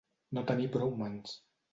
No tenir prou mans.